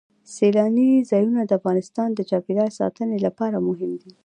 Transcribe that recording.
سیلاني ځایونه د افغانستان د چاپیریال ساتنې لپاره مهم دي.